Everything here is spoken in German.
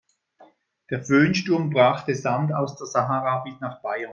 Der Föhnsturm brachte Sand aus der Sahara bis nach Bayern.